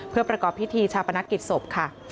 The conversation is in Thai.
เพื่อประกอบพิธีชาปนกิจศพค่ะ